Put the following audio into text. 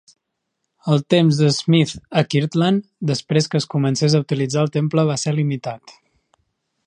El temps d'Smith a Kirtland després que es comencés a utilitzar el temple va ser limitat.